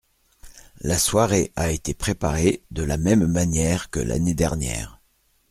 La soirée a été préparée de la même manière que l’année dernière.